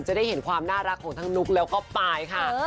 จะได้เห็นความน่ารักของทั้งนุ๊กแล้วก็ปายค่ะ